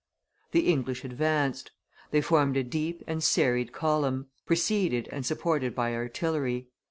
The English advanced; they formed a deep and serried column, preceded and supported by artillery.